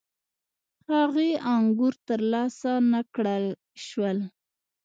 هغې انګور ترلاسه نه کړای شول.